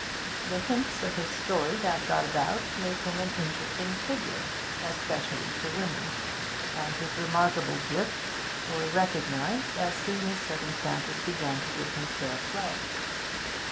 The hints of his story that got about made him an interesting figure, especially to women, and his remarkable gifts were recognised as soon as circumstances began to give him fair play.